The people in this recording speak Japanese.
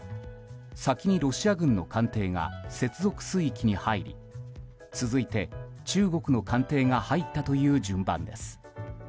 先にロシア軍の艦艇が接続水域に入り続いて、中国の艦艇が入ったという順番です。